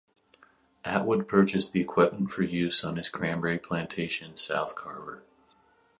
Atwood purchased the equipment for use on his cranberry plantation in South Carver.